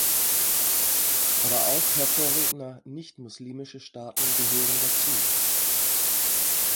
Aber auch, Herr Vorredner, nicht-muslimische Staaten gehören dazu.